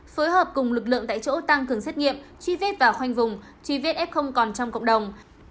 phối hợp cùng lực lượng tại chỗ tăng cường xét nghiệm truy vết và khoanh vùng truy vết f còn trong cộng đồng